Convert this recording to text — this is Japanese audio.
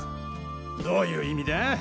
どういう意味だ？